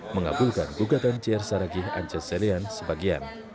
mengabulkan gugatan jr saragi ance selian sebagian